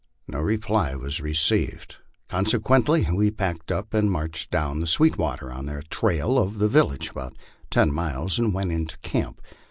No reply was received ; conse quently we packed up and marched down the Sweetwater, on the trail of the village, about ten miles, and went into camp.